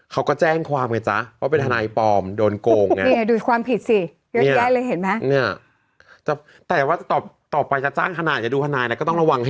เขาก็แจ้งความไงจ๊ะว่าเป็นทนายปลอมโดนโกงไง